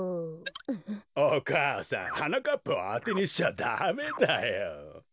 お母さんはなかっぱをあてにしちゃダメだよ。